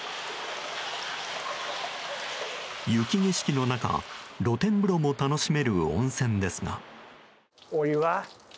雪景色の中、露天風呂も楽しめる温泉ですが。